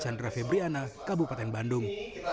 chandra febriana kabupaten bandung